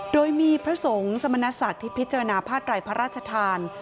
โดยมีพระสงฆ์สมณสัตว์ที่พิจารณาภาตรายพระราชธาน